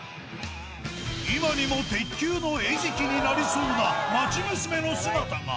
今にも鉄球の餌食になりそうな町娘の姿が。